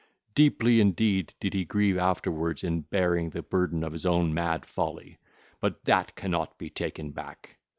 Deeply indeed did he grieve afterwards in bearing the burden of his own mad folly; but that cannot be taken back.